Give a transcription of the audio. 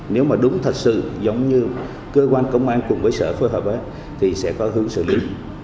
nếu mà đúng thật sự giống như cơ quan công an cùng với sở phối hợp thì sẽ có hướng xử lý